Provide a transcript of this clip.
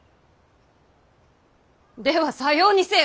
ではさようにせよ。